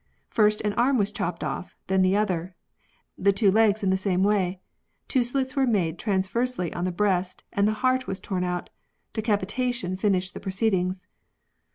First an arm was chopped ofi", then the other : the two legs in the same way. Two slits were made transversely on the breast, and the heart was torn out ; decapitation finished the proceedings.